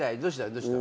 どうした？